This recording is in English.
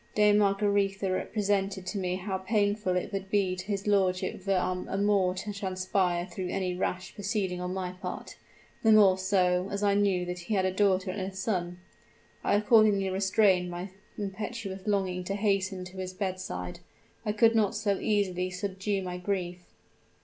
Dame Margaretha represented to me how painful it would be to his lordship were our amour to transpire through any rash proceeding on my part the more so, as I knew that he had a daughter and a son! I accordingly restrained my impetuous longing to hasten to his bedside: I could not so easily subdue my grief!